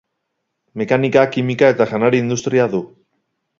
Mekanika-, kimika- eta janari-industria du.